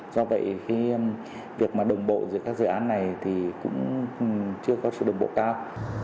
do vậy cái việc mà đồng bộ giữa các dự án này thì cũng chưa có sự đồng bộ cao